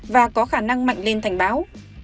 và có khả năng mạnh lên thành báo